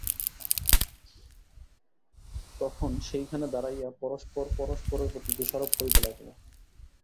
তখন সেইখানে দাঁড়াইয়া পরস্পর পরস্পরের প্রতি দোষারোপ করিতে লাগিল।